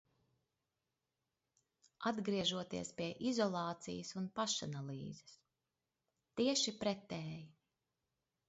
Atgriežoties pie izolācijas un pašanalīzes. Tieši pretēji.